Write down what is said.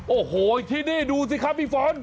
โอ้โหที่นี่ดูสิครับพี่ฟ้อน